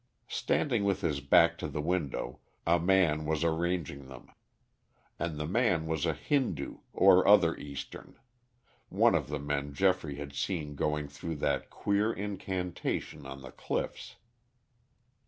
Standing with his back to the window, a man was arranging them. And the man was a Hindoo, or other Eastern, one of the men Geoffrey had seen going through that queer incantation on the cliffs.